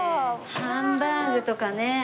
ハンバーグとかね。